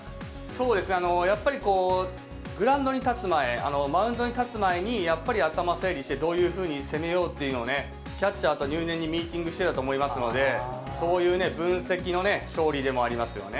そうですね、やっぱりこう、グラウンドに立つ前、マウンドに立つ前に、やっぱり頭整理して、どういうふうに攻めようっていうのをね、キャッチャーと入念にミーテングしていたと思いますので、そういう分析のね、勝利でもありますよね。